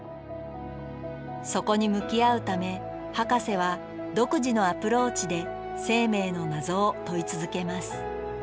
そこに向き合うためハカセは独自のアプローチで生命の謎を問い続けます。